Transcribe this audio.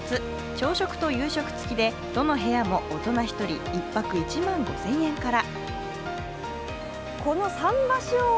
朝食と夕食付きで、どの部屋も大人１人１泊１万５０００円から。